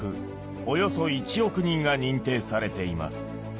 およそ１億人が認定されています。